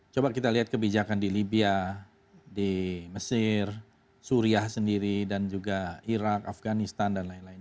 coba kita lihat kebijakan di libya di mesir suriah sendiri dan juga irak afganistan dan lain lain